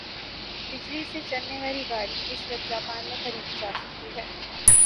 بجلی سے چلنے والی گاڑی اس وقت جاپان میں خریدی جاسکتی ھے